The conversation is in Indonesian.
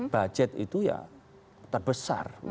budget itu ya terbesar